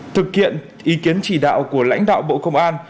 thực hiện ý kiến chỉ đạo của lãnh đạo bộ công an